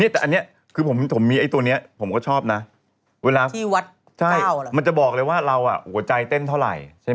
แต่ผมขี้เกียจกันหมดนะ